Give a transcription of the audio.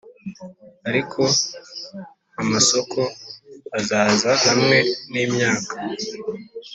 ariko amasoko azaza hamwe nimyaka: